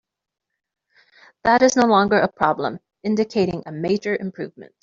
That is no longer a problem, indicating a major improvement.